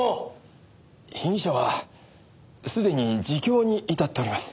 被疑者はすでに自供に至っております。